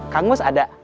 kang gus ada